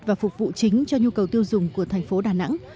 và phục vụ chính cho nhu cầu tiêu dùng của thành phố đà nẵng